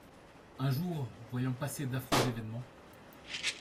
Un joûr, voyant passer d'affreux événements